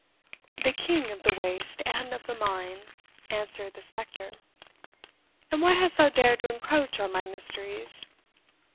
"The King of the Waste and of the Mine," answered the spectre; "and why hast thou dared to encroach on my mysteries?"